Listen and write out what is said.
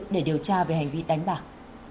để điều tra về hành vi đánh bạc